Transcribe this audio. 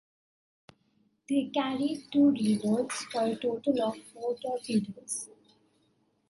They carried two reloads, for a total of four torpedoes.